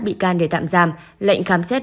bị can để tạm giam lệnh khám xét